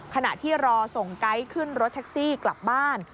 ขณะที่รอส่งไก๊ขึ้นรถแท็กซี่กลับบ้าน